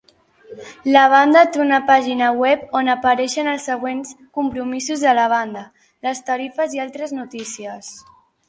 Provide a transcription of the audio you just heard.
La banda té una pàgina web on apareixen els següents compromisos de la banda, les tarifes i altres notícies.